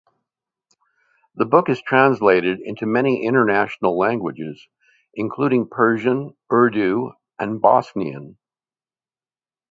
The book is translated into many international languages including Persian, Urdu and Bosnian.